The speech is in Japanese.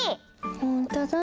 ほんとだ。